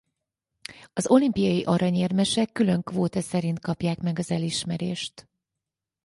Az olimpiai aranyérmesek külön kvóta szerint kapják meg az elismerést.